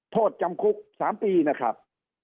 โทษจำคุก๓ปีนะครับ